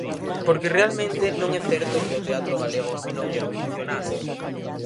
Porque realmente non é certo que o teatro galego non evolucionase.